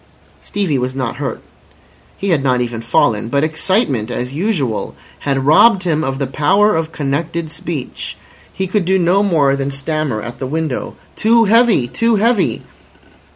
Stevie was not hurt, he had not even fallen, but excitement as usual had robbed him of the power of connected speech. He could do no more than stammer at the window. "Too heavy. Too heavy."